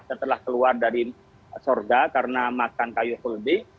setelah keluar dari surga karena makan kayu khuldi